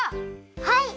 はい！